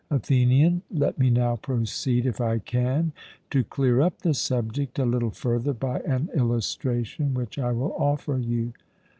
ATHENIAN: Let me now proceed, if I can, to clear up the subject a little further by an illustration which I will offer you.